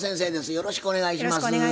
よろしくお願いします。